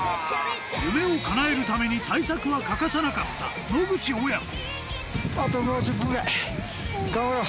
夢をかなえるために対策は欠かさなかった野口親子うんうん。